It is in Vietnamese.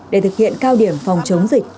để thực hiện cao điểm phòng chống dịch